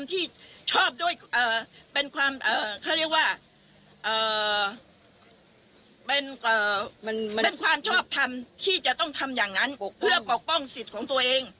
แต่เป็นการกระทำที่ชอบที่จะต้องทำอย่างนั้นเพื่อปกป้องสิทธิ์ของตัวเอง